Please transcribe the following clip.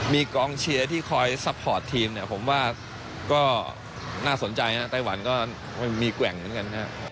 มีกองเชียร์ที่คอยซัพพอร์ตทีมเนี่ยผมว่าก็น่าสนใจนะไต้หวันก็ไม่มีแกว่งเหมือนกันครับ